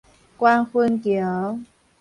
觀雲橋